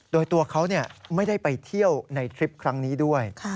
โดยตัวเขาไม่ได้ไปเที่ยวในทริปครั้งนี้ด้วย